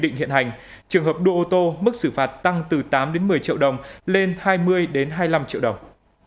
định hiện hành trường hợp đua ô tô mức xử phạt tăng từ tám một mươi triệu đồng lên hai mươi hai mươi năm triệu đồng